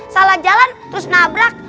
salah jalan terus nabrak